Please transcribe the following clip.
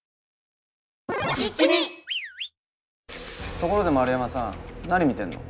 ところで円山さん何見てんの？